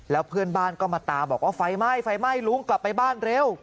แล้วเพื่อนบ้านก็มาตามบอกว่าไฟไหม้ไฟไหม้ลุงกลับไปบ้านเร็ว